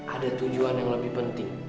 ada tujuan yang lebih penting